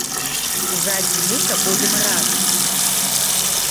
Жаць жыта будзем разам.